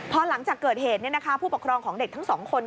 พอหลังจากเกิดเหตุผู้ปกครองของเด็กทั้งสองคน